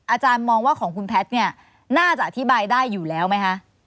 อาจารย์มองว่าของคุณแพทย์เนี่ยน่าจะอธิบายได้อยู่แล้วไหมคะ